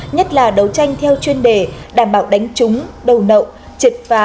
nhất là đấu tranh theo chuyên đề đảm bảo đánh trúng đầu nậu triệt phá